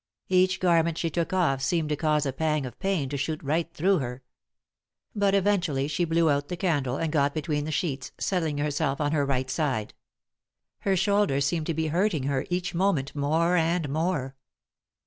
Each garment she took off seemed to cause a pang of pain to shoot right through her. But, eventually, she blew out the candle, and got between the sheets, settling herself on her right side. Her shoulder seemed to be hurting her each moment more and more.